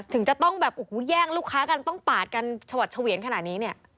ถึงจะต้องแบบโอ้โหแย่งลูกค้ากันต้องปาดกันชวัดเฉวียนขนาดนี้เนี่ย